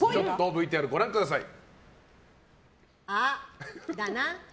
ＶＴＲご覧ください。